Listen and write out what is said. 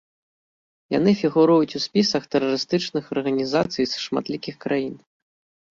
Яны фігуруюць у спісах тэрарыстычных арганізацый шматлікіх краін.